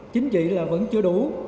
chính trị là vẫn chưa đủ